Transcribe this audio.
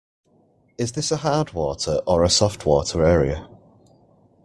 Is this a hard water or a soft water area?